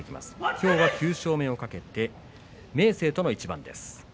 今日は９勝目を懸けて明生との一番です。